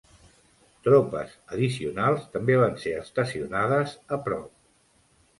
Tropes addicionals també van ser estacionades a prop.